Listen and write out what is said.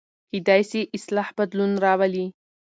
کېدای سي اصلاح بدلون راولي.